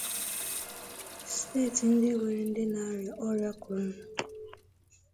Steeti ndị nwere ndị na-aria ọria korona